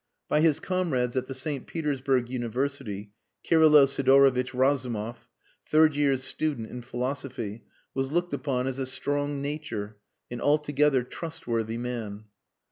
By his comrades at the St. Petersburg University, Kirylo Sidorovitch Razumov, third year's student in philosophy, was looked upon as a strong nature an altogether trustworthy man.